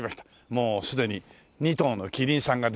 もうすでに２頭のキリンさんが出迎えてますね。